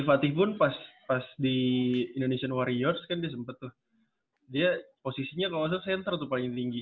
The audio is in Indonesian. fatih pun pas di indonesian warriors kan dia sempat tuh dia posisinya gak usah center tuh paling tinggi